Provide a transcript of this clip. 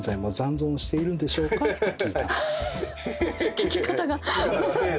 聞き方が！